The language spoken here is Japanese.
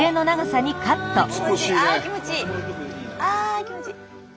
気持ちいい！